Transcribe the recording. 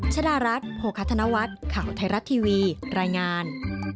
ชนะรัฐโฮคัทนวัตข่าวไทยรัฐทีวีรายงาน